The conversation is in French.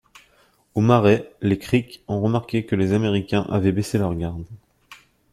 Au marais, les Creeks ont remarqué que les Américains avaient baissé leur garde.